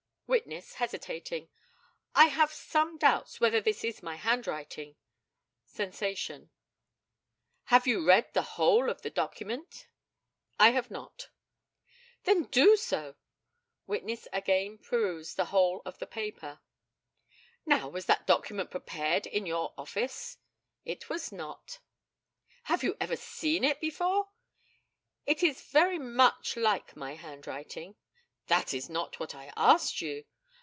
Witness (hesitating): I have some doubts whether this is my handwriting [sensation]. Have you read the whole of the document? I have not. Then do so. [Witness again perused the whole of the paper.] Now, was that document prepared in your office? It was not. Have you ever seen it before? It is very much like my handwriting. That is not what I asked you.